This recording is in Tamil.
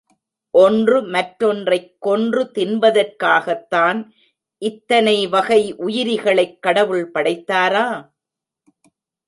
ஒன்று மற்றொன்றைக் கொன்று தின்பதற்காகத்தான், இத்தனை வகை உயிரிகளைக் கடவுள் படைத்தாரா?